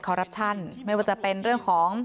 รับชันไม่ว่าจะเป็นเรื่องของ